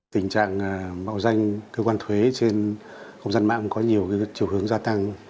tình trạng mạo danh cơ quan thuế trên công dân mạng có nhiều chiều hướng gia tăng